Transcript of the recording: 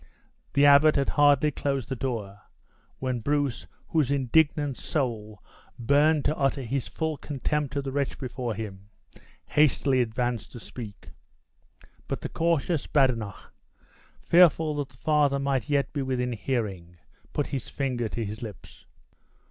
The abbot had hardly closed the door, when Bruce, whose indignant soul burned to utter his full contempt of the wretch before him, hastily advanced to speak; but the cautious Badenoch, fearful that the father might yet be within hearing, put his finger to his lips.